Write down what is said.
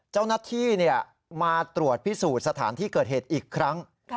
เจ้าหน้าที่มาตรวจพิสูจน์สถานที่เกิดเหตุอีกครั้ง